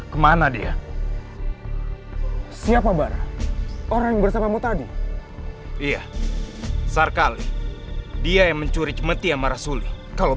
kemana dia siapa barang orang bersamamu tadi iya sarkali dia yang mencuri cemeti amarah sulih kalau